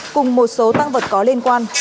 cùng một số tăng vật có liên quan